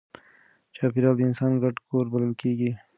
چاپېریال د انسان ګډ کور بلل کېږي.